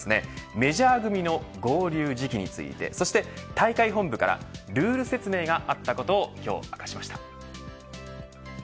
メジャー組の合流時期についてそして大会本部からルール説明があったことを今日、明かしました。